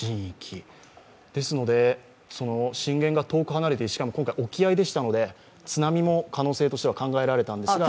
ですので、震源が遠く離れて、しかも今回沖合でしたので、津波も可能性としては考えられたんですが。